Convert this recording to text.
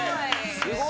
すごい。